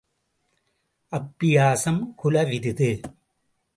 அப்பியாசம் குல விருது.